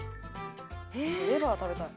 レバー食べたい。